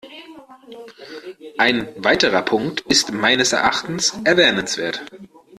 Ein weiterer Punkt ist meines Erachtens erwähnenswert.